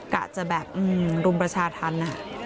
กะจะแบบรุมประชาธรรม